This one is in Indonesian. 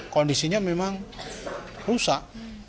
kondisinya memang rusak